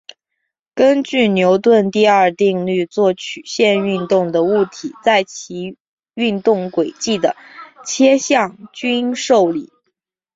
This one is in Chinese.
根据牛顿第二定律做曲线运动的物体在其运动轨迹的切向均受力。